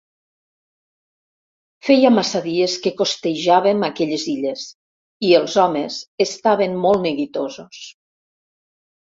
Feia massa dies que costejàvem aquelles illes i els homes estaven molt neguitosos.